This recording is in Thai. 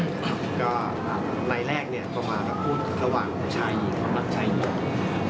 ในแรกต่อมาเราคิดถ่วงผู้ชายหญิงสำหรับชายหญิง